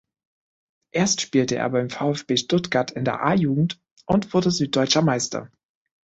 Erst spielte er beim VfB Stuttgart in der A-Jugend und wurde Süddeutscher Meister.